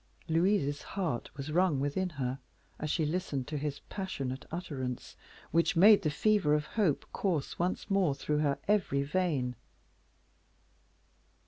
Louise's heart was wrung within her, as she listened to his passionate utterance, which made the fever of hope course once more through her every vein.